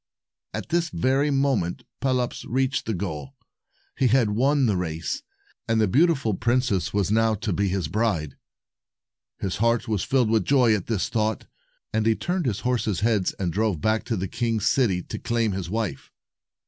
At this very moment, Pelops reached the goal. He had won the race, and the beautiful princess was now to be his bride. His heart was filled with joy at this thought, and he turned his horses' heads and drove back to the king's city to claim his wife.